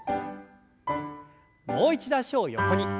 もう一度脚を横に。